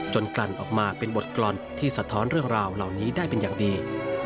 กลั่นออกมาเป็นบทกรรมที่สะท้อนเรื่องราวเหล่านี้ได้เป็นอย่างดี